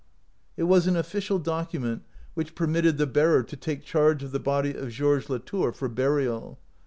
It was an official document which per mitted the bearer to take charge of the body of Georges Latour for burial.